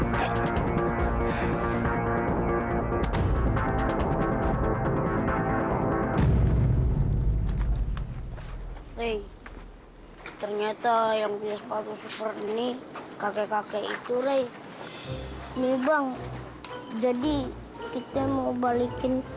hai rei ternyata yang bisa padu seperti ini kakek kakek itu rei memang jadi kita mau balikin